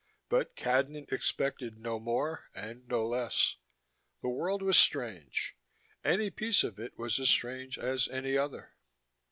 But Cadnan expected no more and no less: the world was strange. Any piece of it was as strange as any other.